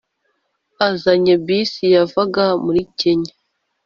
azanye na bus yavaga muri Kenya